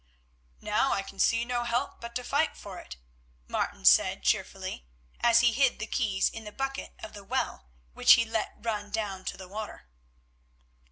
"Now I can see no help but to fight for it," Martin said cheerfully, as he hid the keys in the bucket of the well, which he let run down to the water.